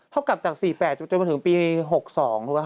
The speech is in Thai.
เท่ากลับจาก๔๘ปีจนมาถึงปี๖๒ปีถูกไหม